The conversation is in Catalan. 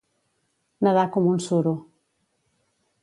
Nedar com un suro.